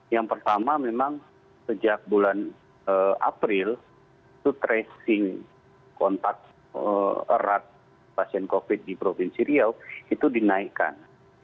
yang pertama memang sejak bulan april itu tracing kontak erat pasien covid di provinsi riau itu dinaikkan